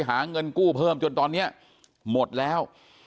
หาเงินกู้เพิ่มจนตอนนี้หมดแล้ว